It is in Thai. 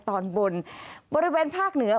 ตอนบนบริเวณภาคเหนือ